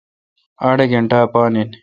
اڑ گینٹہ اے° پان این۔